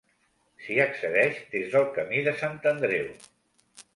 S'hi accedeix des del Camí de Sant Andreu.